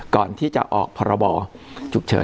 ก่อนที่จะออกพรบฉุกเฉิน